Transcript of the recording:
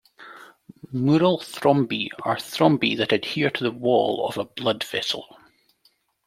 Mural thrombi are thrombi that adhere to the wall of a blood vessel.